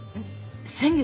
先月！？